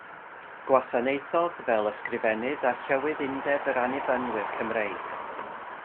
Gwasanaethodd fel Ysgrifennydd a Llywydd Undeb yr Annibynwyr Cymreig.